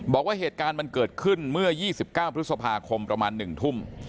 บอกว่าเหตุการณ์มันเกิดขึ้นเมื่อ๒๙พฤษภาคมประมาณ๑ทุ่ม